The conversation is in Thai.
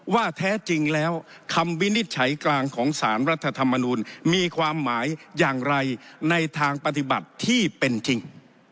ว่าแท้จริงแล้วคำวินิจฉัยกลางของสารรัฐธรรมนูลมีความหมายอย่างไรในทางปฏิบัติที่เป็นจริง